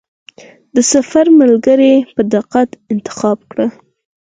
د سفر ملګری په دقت انتخاب کړه.